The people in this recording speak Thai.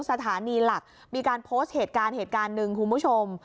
สถานีหลักมีการโพสต์เหตุการณ์หนึ่งคุณผู้ชม